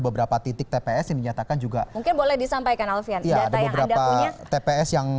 beberapa titik tps yang dinyatakan juga mungkin boleh disampaikan alfian ya ada beberapa tps yang